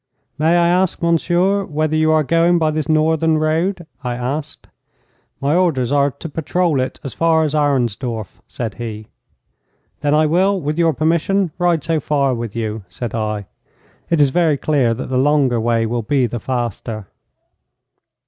'May I ask, monsieur, whether you are going by this northern road?' I asked. 'My orders are to patrol it as far as Arensdorf,' said he. 'Then I will, with your permission, ride so far with you,' said I. 'It is very clear that the longer way will be the faster.'